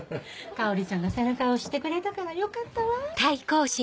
かおりちゃんが背中を押してくれたからよかったわ。